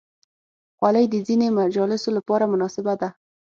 خولۍ د دیني مجالسو لپاره مناسبه ده.